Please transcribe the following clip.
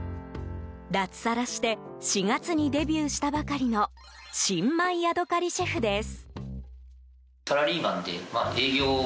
脱サラして４月にデビューしたばかりの新米ヤドカリシェフです。